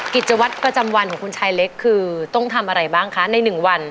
กิจวัตรประจำวันของคุณชายเล็กคือต้องทำอะไรบ้างคะใน๑วัน